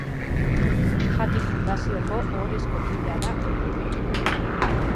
Jakin Fundazioko ohorezko kidea da egun.